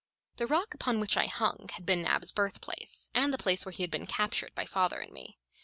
The rock upon which I hung had been Nab's birthplace, and the place where he had been captured by father and me.